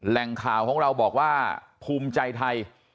แหล่งข่าวของเราบอกว่าภูมิใจไทย